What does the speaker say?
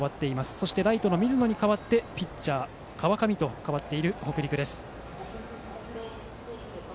そしてライトの水野に代わってピッチャー、川上と代わっている北陸です。